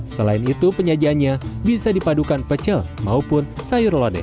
selain itu penyajiannya bisa dipadukan pecel maupun sayur lodeh